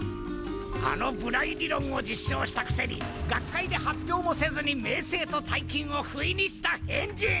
あのブライ理論を実証したくせに学会で発表もせずに名声と大金をふいにした変人！